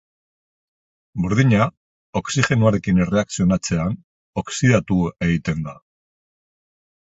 Burdina, oxigenoarekin erreakzionatzean, oxidatu egiten da.